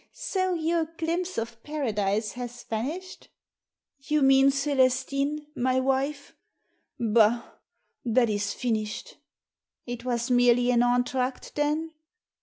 " So your glimpse of Paradise has vanished ?" "You mean C^lestine — my wife? Bah! That is finished." " It was merely an entr'acte then